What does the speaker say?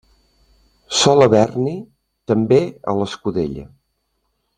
Sol haver-n'hi, també, a l'escudella.